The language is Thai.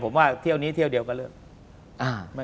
ผมว่าเที่ยวนี้เที่ยวเดียวกันเลย